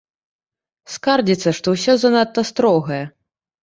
Скардзіцца, што ўсё занадта строгае.